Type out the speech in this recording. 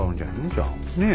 じゃあ。ねえ？